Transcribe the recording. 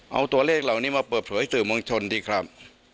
เอาตัวเลขเหล่านี้มาเปิดเผยสื่อมวลชนดีครับ